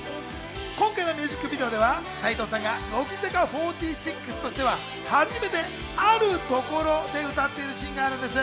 今回のミュージックビデオでは齋藤さんが乃木坂４６としては初めて、あるところで歌っているシーンがあるんです。